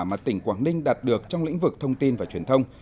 mà tỉnh quảng ninh đạt được trong lĩnh vực thông tin và truyền thông